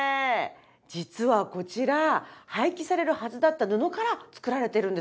実はこちら廃棄されるはずだった布から作られてるんですよ。